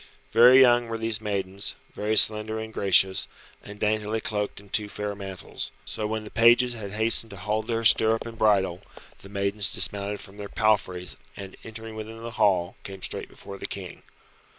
Very young were these maidens, very slender and gracious, and daintily cloaked in two fair mantles. So when the pages had hastened to hold their stirrup and bridle, the maidens dismounted from their palfreys and entering within the hall came straight before the King.